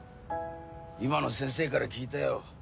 今の先生から聞いたよ。